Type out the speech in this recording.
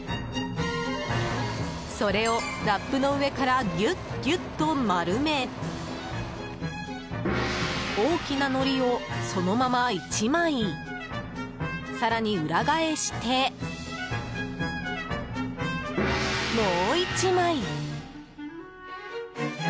それをラップの上からギュッギュッと丸め大きなのりを、そのまま１枚更に裏返してもう１枚。